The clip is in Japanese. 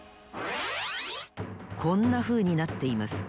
こんなふうになっています。